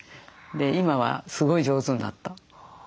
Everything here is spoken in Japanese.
今はすごい上手になった。